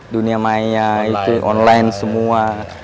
dunia maya itu online semua